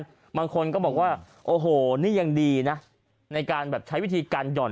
บางคนก็บอกว่าโอ้โหนี่ยังดีนะในการแบบใช้วิธีการหย่อน